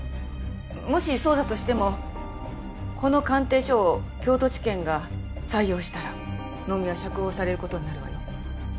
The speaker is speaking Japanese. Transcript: もしそうだとしてもこの鑑定書を京都地検が採用したら能見は釈放される事になるわよ。